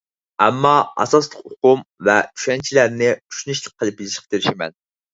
ئەمما، ئاساسلىق ئۇقۇم ۋە چۈشەنچىلەرنى چۈشىنىشلىك قىلىپ يېزىشقا تىرىشىمەن.